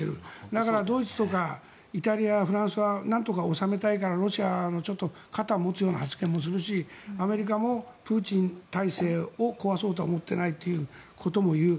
だからドイツとかイタリア、フランスはなんとか収めたいからロシアの肩を持つような発言もするしアメリカもプーチン体制を壊そうとは思っていないということも言う。